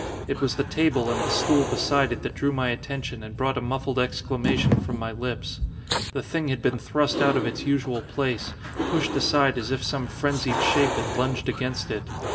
It was the table, and the stool beside it, that drew my attention and brought a muffled exclamation from my lips. The thing had been thrust out of its usual place, pushed aside as if some frenzied shape had lunged against it.